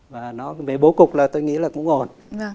và nó về bố cục là tôi nghĩ là cũng ổn